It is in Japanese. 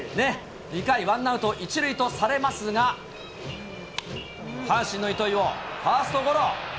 ２回、ワンアウト１塁とされますが、阪神の糸井をファーストゴロ。